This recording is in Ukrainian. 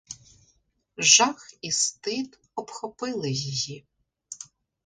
Жах і стид обхопили її.